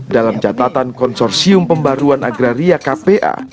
dalam catatan konsorsium pembaruan agraria kpa